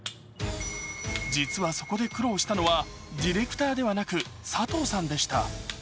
実はそこで苦労したのはディレクターではなく、佐藤さんでした。